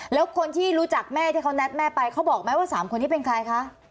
แล้วคนที่รู้จักแม่ที่เขานัดแม่ไปเขาบอกไหมว่า๓คนนี้เป็นใครคะ